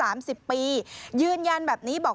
อายุ๓๐ปียืนยันแบบนี้